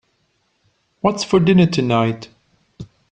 What's for dinner tonight?